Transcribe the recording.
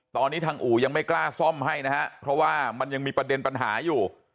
ตอนนี้ทางอู่ยังไม่กล้าซ่อมให้นะฮะเพราะว่ามันยังมีประเด็นปัญหาอยู่